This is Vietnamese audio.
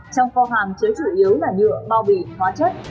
trong kho hàng chứa chủ yếu là nhựa bao bì hóa chất